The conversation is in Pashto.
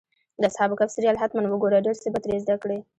د اصحاب کهف سریال حتماً وګوره، ډېر څه به ترې زده کړې.